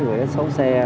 với cái xấu xe